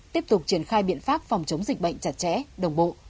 tiếp tục triển khai biện pháp phòng chống dịch bệnh chặt chẽ đồng bộ